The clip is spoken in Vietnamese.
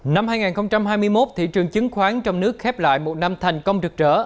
năm hai nghìn hai mươi một thị trường chứng khoán trong nước khép lại một năm thành công rực rỡ